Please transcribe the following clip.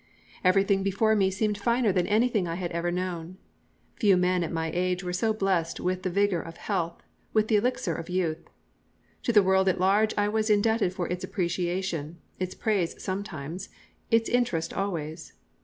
Everything before me seemed finer than anything I had ever known. Few men at my age were so blessed with the vigour of health, with the elixir of youth. To the world at large I was indebted for its appreciation, its praise sometimes, its interest always.